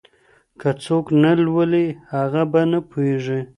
که څوک نه لولي هغه به نه پوهېږي.